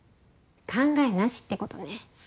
考えなしってことね。